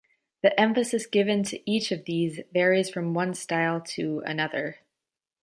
The emphasis given to each of these varies from one style to another.